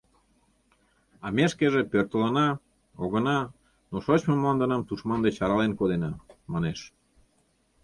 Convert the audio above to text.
А ме шкеже пӧртылына, огына, но шочмо мландынам тушман деч арален кодена! — манеш.